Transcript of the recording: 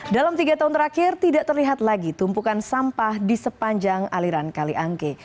dalam tiga tahun terakhir tidak terlihat lagi tumpukan sampah di sepanjang aliran kaliangke